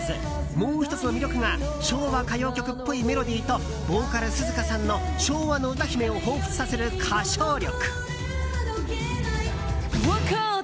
もう１つの魅力が昭和歌謡曲っぽいメロディーとボーカルＳＵＺＵＫＡさんの昭和の歌姫をほうふつさせる歌唱力。